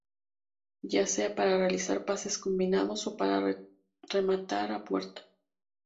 Ya sea para realizar pases combinados o para rematar a puerta.